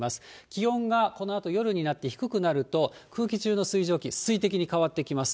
気温がこのあと夜になって低くなると、空気中の水蒸気、水滴に変わっていきます。